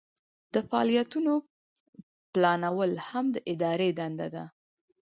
د فعالیتونو پلانول هم د ادارې دنده ده.